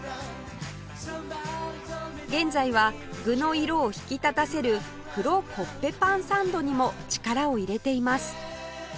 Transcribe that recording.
現在は具の色を引き立たせる黒コッペパンサンドにも力を入れています